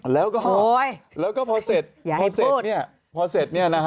แล้วก็โหยแล้วก็พอเสร็จอย่าให้พูดพอเสร็จเนี่ยนะฮะ